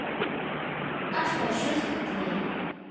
allpa lluspi tiyan